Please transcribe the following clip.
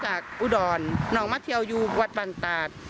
เขาก็คิดว่ารถโล่นรถเกลี้ยระเบิด